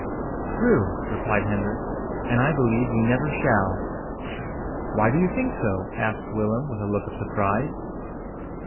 "True," replied Hendrik, "and I believe we never shall." "Why do you think so?" asked Willem, with a look of surprise.